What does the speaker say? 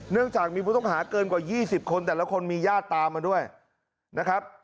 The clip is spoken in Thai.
เนื่องจากมีผู้ต้องหาเกินกว่า๒๐คนแต่ละคนมีญาติตามมาด้วยนะครับ